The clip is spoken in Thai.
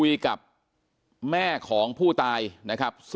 เป็นมีดปลายแหลมยาวประมาณ๑ฟุตนะฮะที่ใช้ก่อเหตุ